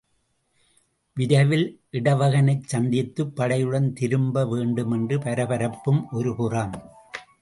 விரைவில் இடவகனைச் சந்தித்துப் படையுடன் திரும்ப வேண்டுமென்ற பரபரப்பு ஒருபுறம்.